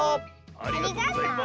ありがとう。